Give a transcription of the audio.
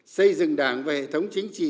xây dựng đảng và hệ thống chính trị